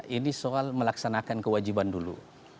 ini soal melaksanakan kewajiban dulu